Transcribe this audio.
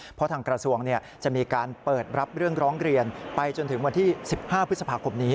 เพราะทางกระทรวงจะมีการเปิดรับเรื่องร้องเรียนไปจนถึงวันที่๑๕พฤษภาคมนี้